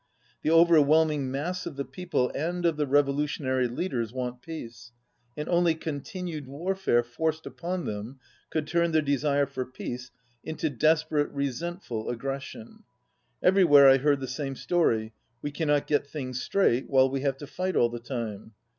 The overwhelming mass of the people and of the revolutionary leaders want peace, and only continued warfare forced upon them could turn their desire for peace into des perate, resentful aggression. Everywhere I heard 48 the same story: "We cannot get things straight while we have to fight all the time."